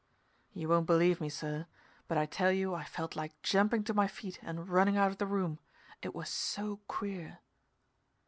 You won't believe me, sir, but I tell you I felt like jumping to my feet and running out of the room it was so queer.